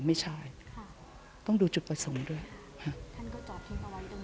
ไม่ใช่ค่ะต้องดูจุดประสงค์ด้วยฮะท่านก็ตอบทิ้งเอาไว้ตรง